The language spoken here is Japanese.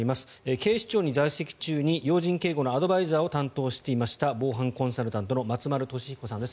警視庁に在籍中に要人警護のアドバイザーを担当していました防犯コンサルタントの松丸俊彦さんです。